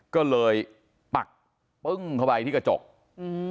ก็เลยปักปึ้งเข้าไปที่กระจกอืม